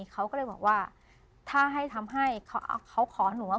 เขาก็เลยบอกว่าถ้าให้ทำให้เขาขอหนูว่า